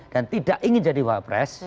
dan tidak ingin jadi wabres